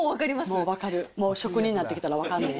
もう分かる、もう職人になってきたら分かるねん。